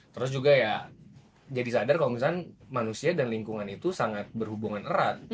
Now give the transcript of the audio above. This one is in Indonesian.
terus juga ya jadi sadar kalau misalnya manusia dan lingkungan itu sangat berhubungan erat